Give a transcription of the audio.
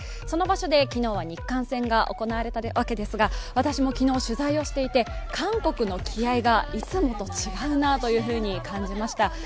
その場所で昨日は日韓戦が行われたわけですが私も昨日取材をしていて韓国の気合いがいつもと違うなと感じました。